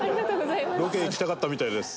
ロケ行きたかったみたいです。